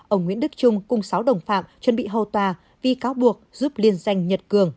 ông nguyễn đức trung cùng sáu đồng phạm chuẩn bị hầu tòa vì cáo buộc giúp liên danh nhật cường